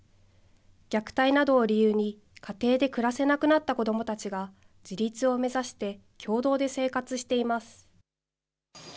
虐待などを理由に家庭で暮らせなくなった子どもたちが自立を目指して共同で生活しています。